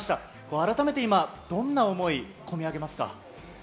改めて今、どんな思い込みあげますか？